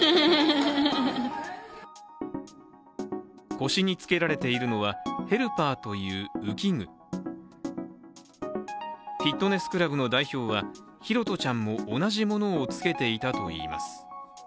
腰に着けられているのはヘルパーという浮き具フィットネスクラブの代表は拓社ちゃんも同じものをつけていたと言います。